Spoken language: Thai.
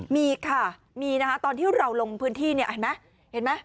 มีค่ะมีนะคะตอนที่เราลงพื้นที่เห็นไหม